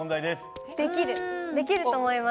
できると思います。